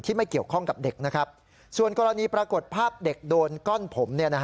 ไม่เกี่ยวข้องกับเด็กนะครับส่วนกรณีปรากฏภาพเด็กโดนก้อนผม